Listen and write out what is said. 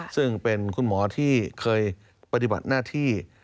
ซึ่งเป็นคุณหมอที่เคยปฏิบัติหน้าที่